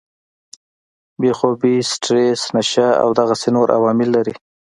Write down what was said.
بې خوابي ، سټريس ، نشه او دغسې نور عوامل لري